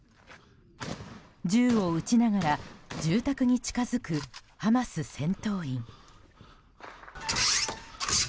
銃を撃ちながら住宅に近づくハマス戦闘員。